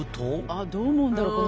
あどう思うんだろう